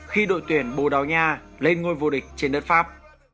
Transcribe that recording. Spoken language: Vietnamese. khi đội tuyển bordogna lên ngôi vô địch trên đất pháp